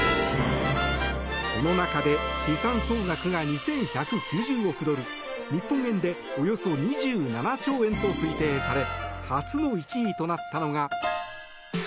その中で資産総額が２１９０億ドル日本円でおよそ２７兆円と推定され初の１位となったのが。